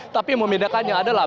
tapi yang membedakannya adalah